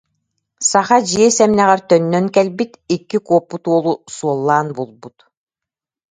» Саха дьиэ сэмнэҕэр төннөн кэлбит, икки куоппут уолу суоллаан булбут